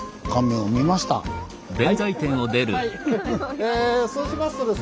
えそうしますとです。